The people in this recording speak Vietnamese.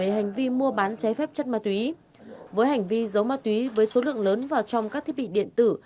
hành vi mua bán trái phép chất ma túy với hành vi dấu ma túy với số lượng lớn vào trong các thiết bị điện tử